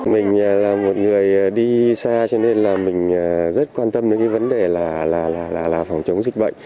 mình là một người đi xa cho nên mình rất quan tâm đến vấn đề phòng chống dịch bệnh